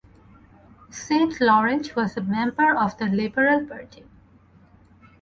Saint Laurent was a member of the Liberal Party.